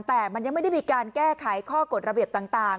แต่มันยังไม่ได้มีการแก้ไขข้อกฎระเบียบต่าง